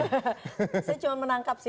saya cuma menangkap sih